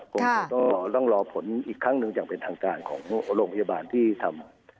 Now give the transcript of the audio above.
คงต้องรอผลอีกครั้งหนึ่งอย่างเป็นทางการของโรงพยาบาลที่ทำ